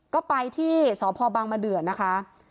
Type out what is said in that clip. ก็ไปที่สพบังมะเดือนะคะ